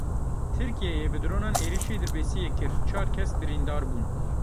Tirkiyeyê bi dronan êrişî Dirbêsiyê kir, çar kes birîndar bûn.